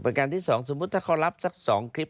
ประกันที่สองสมมติถ้าเขารับสักสองคลิป